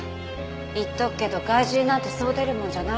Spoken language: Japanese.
言っとくけど害獣なんてそう出るもんじゃないのよ。